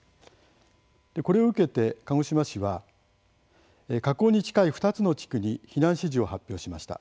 これを受けて、鹿児島市は火口に近い２つの地区に避難指示を発表しました。